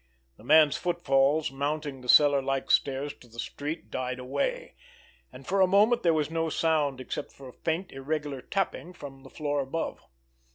The man's footfalls mounting the cellar like stairs to the street died away, and for a moment there was no sound except for a faint, irregular tapping from the floor above.